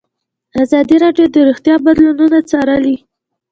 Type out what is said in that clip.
ازادي راډیو د روغتیا بدلونونه څارلي.